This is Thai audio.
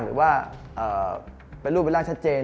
หรือว่าไปลูกไปล่างชัดเจน